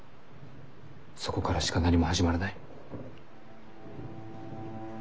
そこからしか何も始まらない。